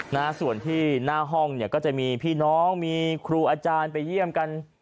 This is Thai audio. นะฮะส่วนที่หน้าห้องเนี่ยก็จะมีพี่น้องมีครูอาจารย์ไปเยี่ยมกัน